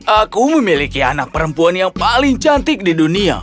aku memiliki anak perempuan yang paling cantik di dunia